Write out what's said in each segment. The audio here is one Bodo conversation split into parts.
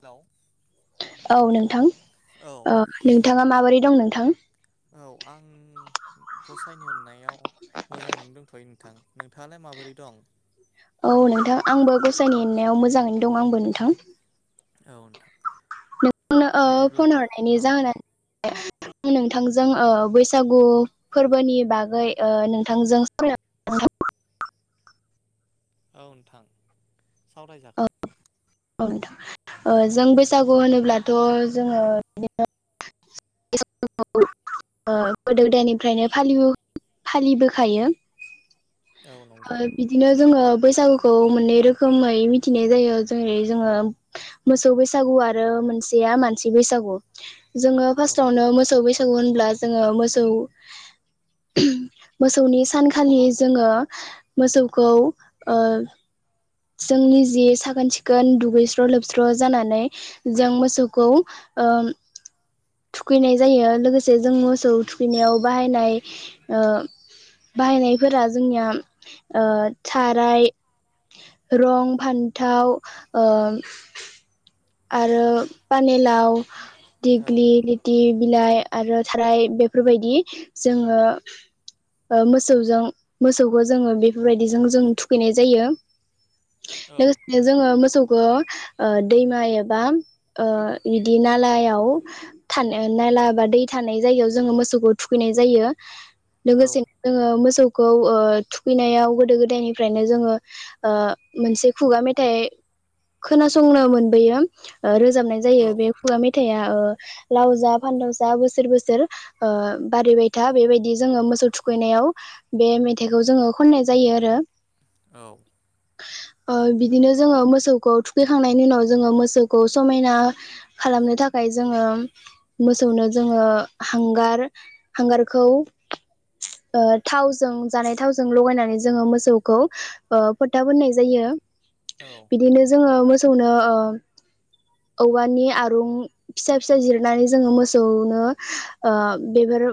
हेलौ औ नों थां ओ औ नोंथाङा माबोरै दं नों थां औ आं गसायनि अननायाव मोजाङैनो दंथ'यो नोंथां। नोंथाङालाय माबोरै दं? औ नोंथां आंबो गसाइनि अननायाव मोजाङैनो दं आंबो नोंथां। औ नोंथां नोंथांनो औ बिदिब्ला फन हरनायनि औ जाहोना आं नोंथांजों ओ बैसागु फोरबोनि बागै ओ नोंथांजों सावरायनो [unintelligible] नोंथां औ नोंथां सावरायजागोन। औ नोंथां ओ जों बैसागु होनोब्लाथ' जोङो बि दिनो [unintelligible] ओ गोदो गोदायनिफ्रायनो फालिबो फालिबोखायो। औ नंगौ ओ बिदिनो जोङो बैसागुखौ मोननै रोखोमै मिथिनाय जायो जेरै जोङो मोसौ बैसागु आरो मोनसेया मानसि बैसागु जों औ फास्थावनो मोसौै बै मोसौ होनब्ला जोङो मोसौ मोसौनि सानखालि जोङो मोसौखौ ओ जोंनि जि साखोन सिखोन दुगैस्र' लोबस्र' जानानै जों मोसौखौ ओ थुखैनाय जायो लोगोसे जों मोसौ थुखैनायाव बाहायनाय बाहायनायफोरा जोंनिया साराय रं फान्थाव आरो पानिलाव औ दिगिलिथि बिलाइ आरो थाराय बेफोरबायदि जोङो मोसौजों मोसौखौ जोङो बेफोरबायदिजों जों थुखैनाय जायो औ लोगोसे जोङो मोसौ दैमा एबा बिदि नालायाव नाला बा दै थानाय जायगायाव जोङो मोसौखौ थुखैनाय जायो लोगोसे जोङो मोसौ खौ थुखैनायाव गोदो गोदायनिफ्रायनो जोङो मोनसे खुगा मेथाइ खोनासंनो मोनबोयो रोजाबनाय औ जायो बे खुगा मेथाइआ ओ लाव जा फानदाव जा बोसोर बोसोर बारिबायथा बेबायदि जोङो मोसौ थुखैनायाव बे मेथाइखौ जोङो खननाय जायो आरो औ ओ बिदिनो जोङो मोसौखौ थुखैखांनायनि उनाव जोङो मोसौखौ समायना खालामनो थाखाय जोङो मोसौनो जोङो हांगार हांगारखौ ओ थावजों जानाय थावजों लगायनानै जोङो मोसौखौ ओ फोथा फोननाय जायो। बिदिनो जोङो मोसौ सौनो ओ औवानि आरुं फिसा फिसा जिरनानै जोङो मोसौनो ओ बेफोरो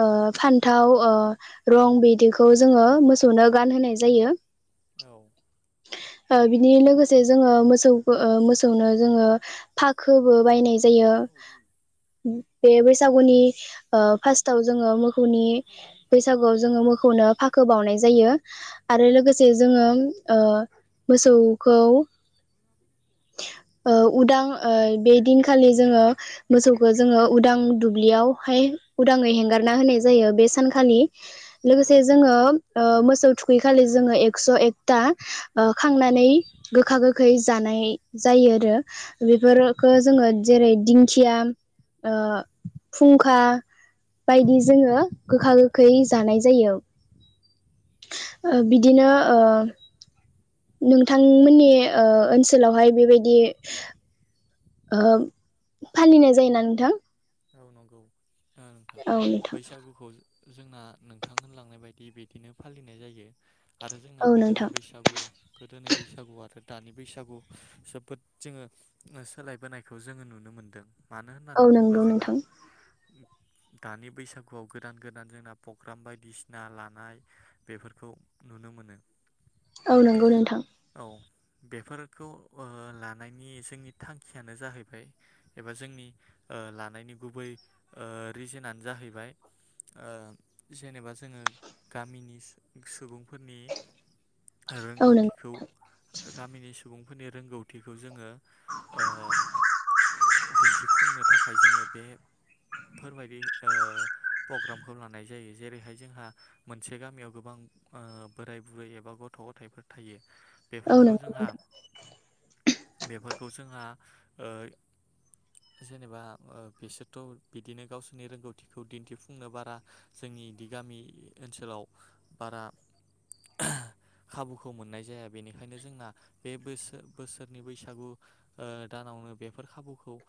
ओ फान्थाव ओ रं बिदिखौ जोङो मोसौनो गानहोनाय जायो औ ओ बिनि लोगोसे जोङो मोसौखो ओ मोसौनो जोङो फाखोबो बायनाय जायो बे बैसागुनि ओ फास जोङो मोखौनि बैसागुआव जोङो मोखौनो फाखो बावनाय जायो जायो आरो लोगोसे जोङो ओ मोसौखौ ओ उदां ओ बे दिनखालि जोङो मोसौखौ जोङो उदां दुब्लियावहाय उदाङै हेंगारना होनाय जायो बे सानखालि औ लोगोसे जोङो ओ मोसौ थुखैखालि जोङो एकस' एकथा खांनानै गोखा गोखै जानाय जायो आरो बेफोरखो जोङो जेरै दिंखिया ओ फुंखा बायदि जोङो गोखा गोखै जानाय जायो औ ओ नंगौ नोंथां बिदिनो ओ नोंथांमोननि ओ ओनसोलावहाय बेबायदि ओहोम फालिनाय जायोना नोंथां औ नंगौ नोंथां औ नोथां बैसागुखौ जोंना नोंथां होनलांनाय बायदि बिदिनो फालिनाय जायो आरो जोंना औ गोदोनि नोंथां बैसागु गोदोनि बैसागुआ आरो दानि बैसागु जोबोद जोङो सोलायबोनायखौ जोङो नुनो मोनदों मानो औ होननानै बुङोब्ला नंगौ जोंना नोंथां दानि बैसागुआव गोदान गोदान जोंना प्रग्राम बायदिसिना लानाय बेफोरखौ नुनो मोनो। औ नंगौ नोंथां। औ बेफोरखौ ओ लानायनि जोंनि थांखियानो जाहैबाय एबा जोंनि ओ ला नायनि गुबै ओ रिजोनानो जाहैबाय ओ जेनेबा जोङो गामिनि सुबुंफोरनि औ नंगौ रोंगौथिखौ गामिनि सुबुं फोरनि रोंगौथिखौ जोङो ओ दिन्थिफुंनो थाखाय जोङो बे फोरबायदि ओ प्रग्रामखौ लानाय जायो जेरैहाय जोंहा मोनसे गामियाव गोबां ओ बोराय बुरै एबा गथ' गथाइफोर थायो। औ बेफोरखौ नंगौ जोंहा नोंथां बेफोरखौ जोंहा ओ जेनेबा ओ बिसोरथ' बिदिनो गावसोरनि रोंगौथिखौ दिन्थिफुंनो बारा जोंनि बिदि गामि ओनसोलाव बारा खाबुखौ मोननाय जाया बेनिखायनो जोंना बे बोसोर बोसोरनि बैसागु ओ दानावनो बेफोर खाबुखौ ओ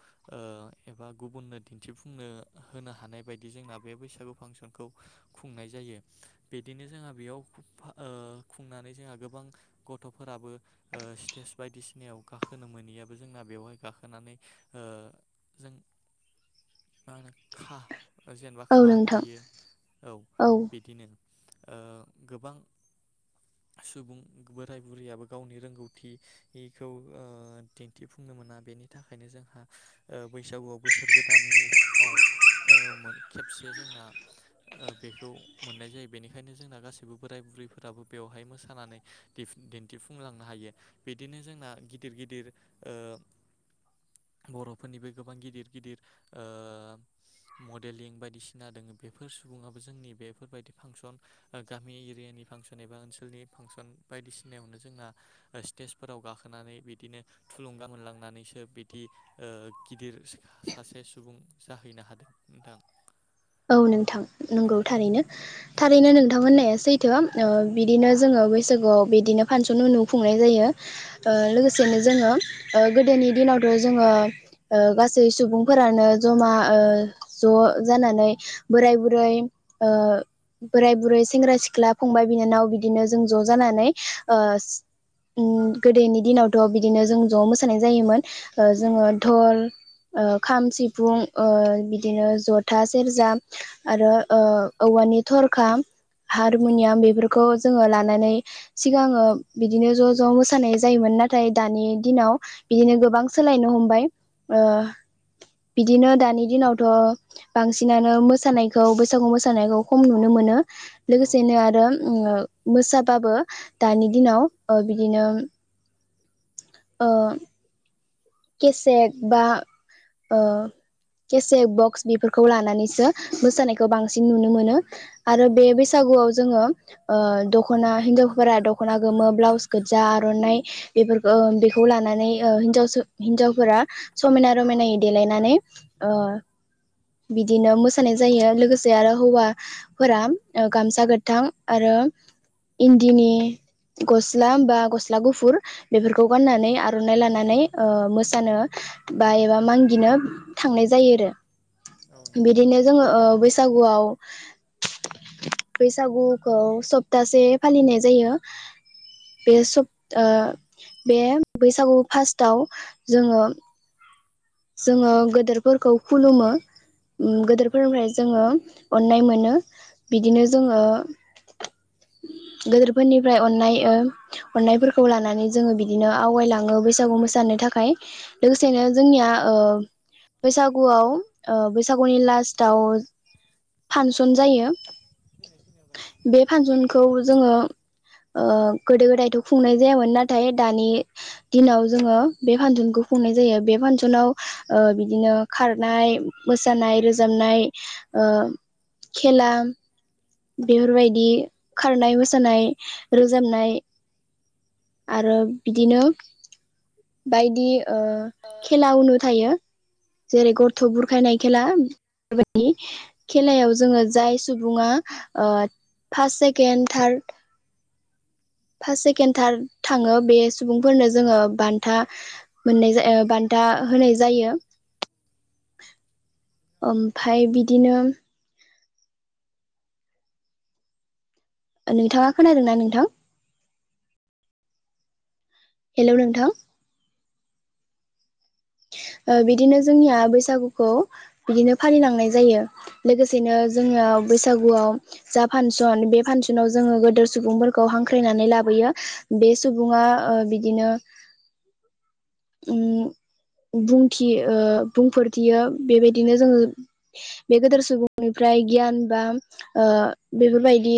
एबा गुबुननो दिन्थिफुंनो होनो हानाय बायदि जोंना बे बैसागु फांसनखौ खुंनाय जायो बिदिनो जोंहा बेयाव ओ खुंनानै जोंहा गोबां गथ'फोराबो ओ स्टेज बायदिसिनायाव गाखोनो मोनियाबो जोंना बेवहाय गाखोनानै ओ जों [unintelligible] खा जेनेबा औ खा नोंथां फैयो औ बिदिनो। ओ गोबां सुबुं बोराय बुरैयाबो गावनि रोंगौथिखौ दिन्थिफुंनो मोना बेनि थाखायनो जोंहा ओ बैसागुआव बोसोर गोदाननियाव खेबसे जोंना ओ बेखौ मोननाय जायो बेनिखायनो जोंना गासैबो बोराय बुरैफोराबो बेवहाय मोसानानै दिन्थि दिन्थिफुंलांनो हायो बिदिनो जोंना गिदिर गिदिर ओ बर'फोरनिबो गोबां गिदिर गिदिर ओ मडेलिं बायदिसिना दङ बेफोर सुबुङाबो जोंनि बेफोरबायदि फांसन गामि एरियानि फांसन एबा ओनसोलनि फांसन बायदिसिनायावनो जोंना स्टेजफोराव गाखोनानै बिदिनो थुलुंगा मोनलांनानैसो बिदि ओ गिदिर सासे सुबुं जाहैनो हादों नोंथां। औ नोंथां औ नंगौ थारैनो औ थारैनो नोंथां होननाया सै थो ओ बिदिनो जोंङो बैसागुआव बिदिनो फांसन उनु खुंनाय जायो। ओ औ लोगोसेयैनो जोंङो ओ गोदोनि दिनावथ जोंङो ओ गासै सुबुंफोरानो जमा ओ ज' जानानै बोराय बुरै ओ बोराय बुरै सेंग्रा सिख्ला फंबाय बिनानाव बिदिनो जों ज जानानै ओ गोदोनि दिनावथ बिदिनो जों ज मोसानाय जायोमोन। ओ औ जोंङो धल ओ खाम सिफुं ओ बिदिनो जथास सेरजा आरो ओ औवानि थरखा औ हारमुनियाम नंगौ बेफोरखौ जोंङो लानानै सिगाङो बिदिनो ज ज मोसानाय जायोमोन नाथाय दानि दिनाव बिदिनो गोबां सोलायनो हमबाय ओ बिदिनो दानि दिनावथ बांसिनानो मोसानायखौ बैसागु मोसानायखौ खम नुनो मोनो। औ लोगोसेनो नंगौ आरो उमओ मोसाबाबो दानि दिनाव ओ बिदिनो ओ। केसेक बा ओ केसेक बक्स बेफोरखौ लानानैसो मोसानायखौ बांसिन नुनो मोनो। आरो औ बे नंगौ बैसागुआव जोंङो ओ दखना हिन्जावफोरा दखना गोमो ब्लाउस गोजा आरनाइ बेफोरखो ओ बेखौ लानानै ओ हिनजावस हिन्जावफोरा समायना रमायनायै देलायनानै ओ बिदिनो मोसानाय जायो लोगोसे आरो हौवाफोरा गामसा गोथां आरो इन्दिनि गस्ला बा गस्ला गुफुर बेफोरखौ गाननानै आरनाइ लानानै ओ मोसानो बा एबा मांगिनो थांनाय जायो आरो औ नंगौ बिदिनो जोंङो ओ बैसागु बैसागुखौ सप्तासे फालिनाय जायो बे सप्ता ओ बे बैसागु फास्थ दाउ जोंङो जोंङो गेदेरफोरखौ खुलुमो औ गेदेरफोरनिफ्राय जोंङो अननाय मोनो बिदिनो जोंङो गेदेरफोरनिफ्राय अननाय अननायफोरखौ लानानै जोंङो बिदिनो आवगायलाङो बैसागु मोसानो थाखाय लोगोसेनो औ जोंनिया बैसागुआव ओ बैसागुनि लास्टाव फान्सन जायो बे फासनखौ जोङो ओ गोदो गोदायथ खुंनाय जायामोन नाथाय दानि दिनाव जोंङो बे फानसनखौ खुंनाय जायो बे फानसनाव ओ बिदिनो खारनाय मोसानाय रोजाबनाय ओ खेला बेफोरबायदि खारनाय मोसानाय रोजाबनाय आरो बिदिनो बायदि ओ खेला उनो थायो जेरै गथ' बुरखायनाय खेलानि खेलायाव जोङो जाय सुबुङा ओ first second third first second third थाङो बे सुबुंफोरनो जोङो बान्था मोननाय जा ओ बान्था होनाय जायो ओमफ्राय बिदिनो नोंथाङा खोनादोंना नोंथां? हेलौ नोंथां ओ बिदिनो जोंनिया बैसागुखौ बिदिनो फालिलांनाय जायो लोगोसेनो जोंनिया बैसागुआव जा फानसन बे फानसनाव जोङो गोदोर सुबुंफोरखौ हांख्रायनानै लाबोयो बे सुबुङा ओ बिदिनो ओम बुंथि ओ बुंफोरथियो बेबायदिनो जोङो बे गेदेर सुबुंनिफ्राय गियान बा ओ बेफोरबायदि